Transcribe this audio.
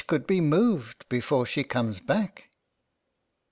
39 could be moved, before she comes back.